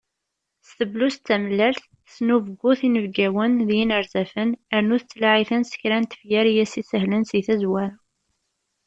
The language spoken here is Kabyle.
S tebluzt d tamellalt, tesnubgut inebgawen d yinerzafen, rnu tettlaεi-ten s kra n tefyar i as-sihlen si tazwara.